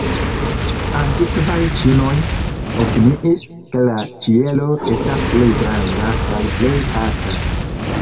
Antikvaj ĉinoj opiniis, ke la ĉielo estas plej granda kaj plej alta.